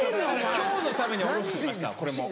今日のために下ろして来ましたこれも。